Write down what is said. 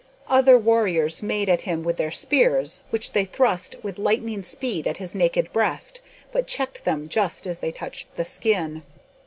Other warriors made at him with their spears, which they thrust with lightning speed at his naked breast, but checked them just as they touched the skin.